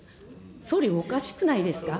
総理、おかしくないですか。